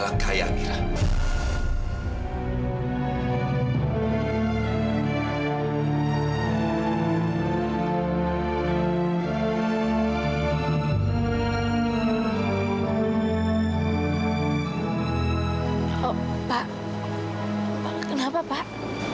pak pak kenapa pak